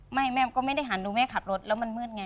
แม่ก็ไม่ได้หันดูแม่ขับรถแล้วมันมืดไง